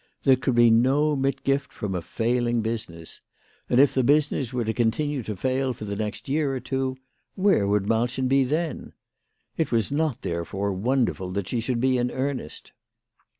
There could be no mitgift from a fail ing business. And if the business were to continue to fail for the next year or two, where would Malchen be then ? It was not, therefore, wonderful that she should be in earnest.